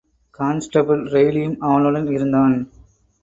Constable ரெய்லியும் அவனுடன் இருந்தான்.